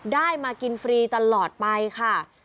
ได้มากินฟรีตลอดไปค่ะ